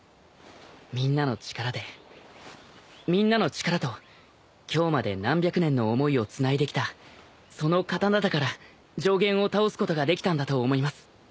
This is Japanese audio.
みんなの力でみんなの力と今日まで何百年の思いをつないできたその刀だから上弦を倒すことができたんだと思います。